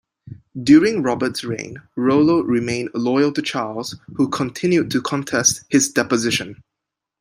During Robert's reign, Rollo remained loyal to Charles, who continued to contest his deposition.